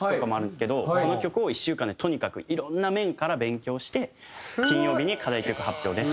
その曲を１週間でとにかくいろんな面から勉強して金曜日に課題曲発表で。